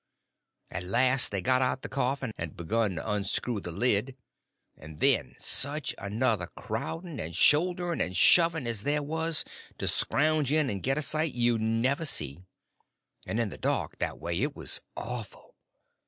At last they got out the coffin and begun to unscrew the lid, and then such another crowding and shouldering and shoving as there was, to scrouge in and get a sight, you never see; and in the dark, that way, it was awful.